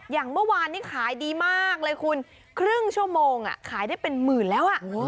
อย่างเมื่อวานนี้ขายดีมากเลยคุณครึ่งชั่วโมงขายได้เป็นหมื่นแล้ว